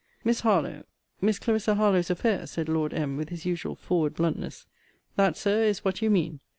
Miss Harlowe, Miss Clarissa Harlowe's affair, said Lord M. with his usual forward bluntness. That, Sir, is what you mean.